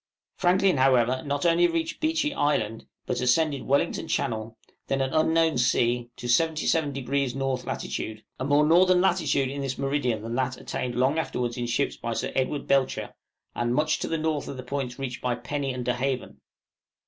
Franklin, however, not only reached Beechey Island, but ascended Wellington Channel, then an unknown sea, to 77° N. lat., a more northern latitude in this meridian than that attained long afterwards in ships by Sir Edward Belcher, and much to the north of the points reached by Penny and De Haven.